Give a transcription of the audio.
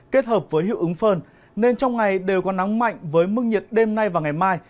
kết hợp với hiệu ứng phơn nên trong ngày đều có nắng mạnh với mức nhiệt đêm nay và ngày mai